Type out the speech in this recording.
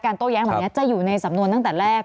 โต้แย้งแบบนี้จะอยู่ในสำนวนตั้งแต่แรก